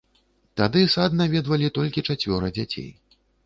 Тады сад наведвалі толькі чацвёра дзяцей.